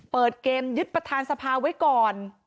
เปิดเกมยึดประธานสภาไว้ก่อน